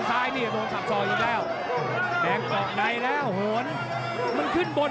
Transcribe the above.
กาดเกมสีแดงเดินแบ่งมูธรุด้วย